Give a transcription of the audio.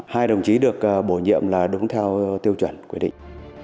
hai đồng chí được bổ nhiệm là đúng theo tiêu chuẩn quy định